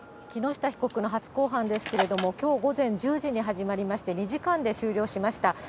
木下被告の初公判ですけれども、きょう午前１０時に始まりまして、２時間で終了しました。